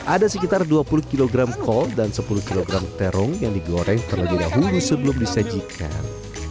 ada sekitar dua puluh kg kol dan sepuluh kg terong yang digoreng terlebih dahulu sebelum disajikan